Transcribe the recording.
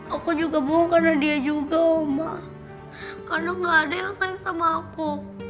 aku juga mau karena dia juga mah karena gak ada yang sayang sama aku